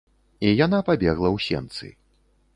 І яна пабегла ў сенцы.